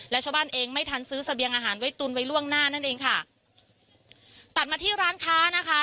และชาวบ้านเองไม่ทันซื้อเสบียงอาหารไว้ตุนไว้ล่วงหน้านั่นเองค่ะตัดมาที่ร้านค้านะคะ